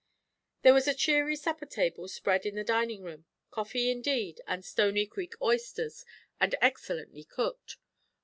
There was a cheery supper table spread in the dining room; coffee, indeed, and Stoney Creek oysters, and excellently cooked.